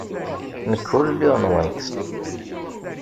Nekk ur lliɣ nwent.